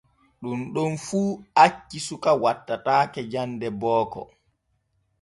Ɗun ɗon fu acci suka wattataake jande booko.